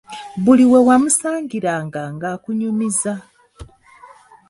Buli we wamusangiranga nga akunyumiza.